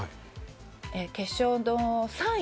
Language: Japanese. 決勝の３位？